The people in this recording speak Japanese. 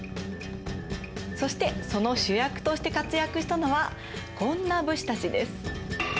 そしてその主役として活躍したのはこんな武士たちです。